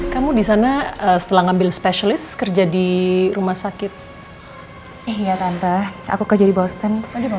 lagi sekolah ngambil specialist langsung tetap di rumah sakit di boston